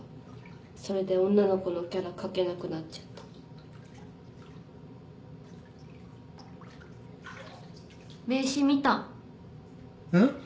それで女の子のキャラ描けなくなっちゃった名刺見たん？